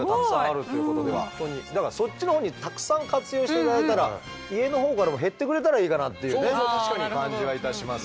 だからそっちのほうにたくさん活用して頂いたら家のほうからも減ってくれたらいいかなっていうね感じはいたしますけれどもね。